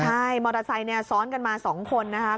ให้มอเมอร์ไซค์ซ้อนกันมาสองคนนะครับ